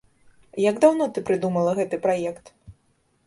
Як даўно ты прыдумала гэты праект?